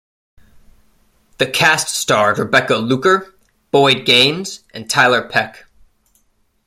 The cast starred Rebecca Luker, Boyd Gaines and Tiler Peck.